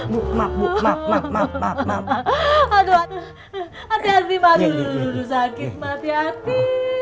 bukma bukma mama mama mama aduh hati hati madu duduk sakit mati hati